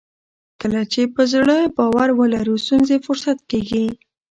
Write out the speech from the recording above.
کله چې په زړه باور ولرو ستونزې فرصت کیږي.